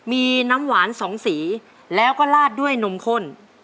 มีน้ำหวานสองสีแล้วก็ลาดด้วยนมข้น